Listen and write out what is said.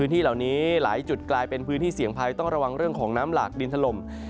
ที่เหล่านี้หลายจุดกลายเป็นพื้นที่เสี่ยงภัยต้องระวังเรื่องของน้ำหลากดินถล่ม